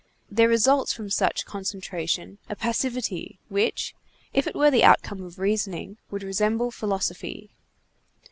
There results from such concentration a passivity, which, if it were the outcome of reasoning, would resemble philosophy.